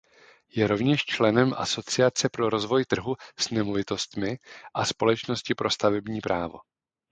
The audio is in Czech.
Je rovněž členem Asociace pro rozvoj trhu s nemovitostmi a Společnosti pro stavební právo.